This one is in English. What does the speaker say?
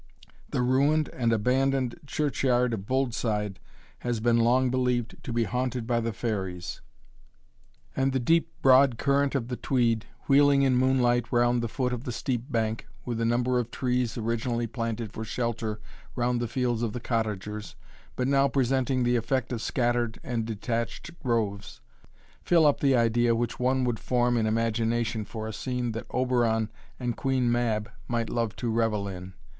The ruined and abandoned churchyard of Boldside has been long believed to be haunted by the Fairies, and the deep broad current of the Tweed, wheeling in moonlight round the foot of the steep bank, with the number of trees originally planted for shelter round the fields of the cottagers, but now presenting the effect of scattered and detached groves, fill up the idea which one would form in imagination for a scene that Oberon and Queen Mab might love to revel in.